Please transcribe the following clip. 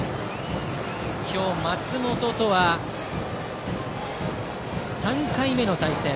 今日、松本とは３回目の対戦。